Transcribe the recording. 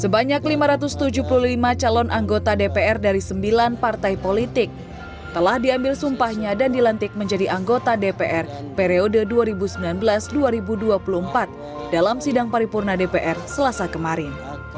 sebanyak lima ratus tujuh puluh lima calon anggota dpr dari sembilan partai politik telah diambil sumpahnya dan dilantik menjadi anggota dpr periode dua ribu sembilan belas dua ribu dua puluh empat dalam sidang paripurna dpr selasa kemarin